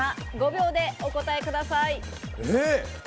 ５秒でお答えください。